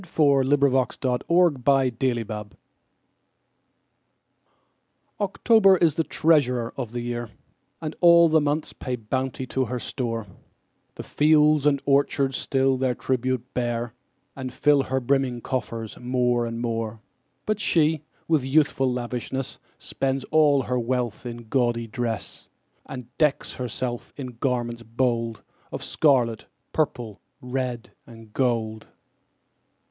Paul Laurence Dunbar October OCTOBER is the treasurer of the year, And all the months pay bounty to her store: The fields and orchards still their tribute bear, And fill her brimming coffers more and more. But she, with youthful lavishness, Spends all her wealth in gaudy dress, And decks herself in garments bold Of scarlet, purple, red, and gold.